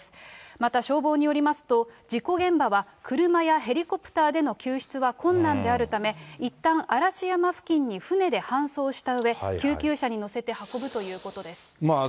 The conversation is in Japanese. また、消防によりますと、事故現場は車やヘリコプターでの救出は困難であるため、いったん嵐山付近に舟で搬送したうえ、救急車に乗せて運ぶということです。